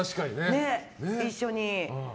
一緒に。